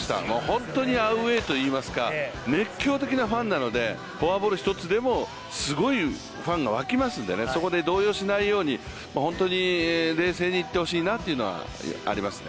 本当にアウェーといいますか、熱狂的なファンなのでフォアボール一つでもすごいファンが沸きますんでそこで動揺しないように、冷静にいってほしいなというのはありますね。